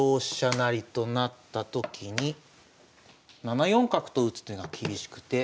成となったときに７四角と打つ手が厳しくて。